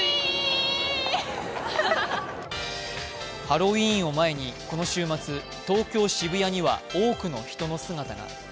ハロウィーンを前にこの週末、東京・渋谷には多くの人の姿が。